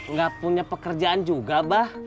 nggak punya pekerjaan juga bah